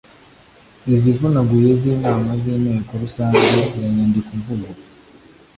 izivunaguye z’inama z’Inteko Rusange n’Inyandikomvugo